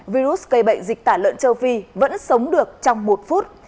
virus gây bệnh dịch tả lợn châu phi vẫn sống được trong một phút